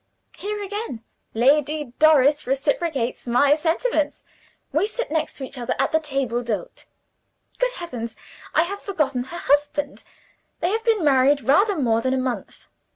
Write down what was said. Here again, Lady Doris reciprocates my sentiments. We sit next to each other at the table d'hote. "Good heavens, I have forgotten her husband! They have been married rather more than a month.